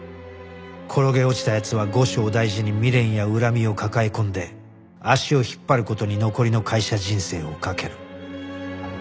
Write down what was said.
転げ落ちた奴は後生大事に未練や恨みを抱え込んで足を引っ張る事に残りの会社人生をかける